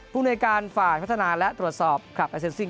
ภูมิในการฝ่ายพัฒนาและตรวจสอบคลับอาเซ็นซิ่ง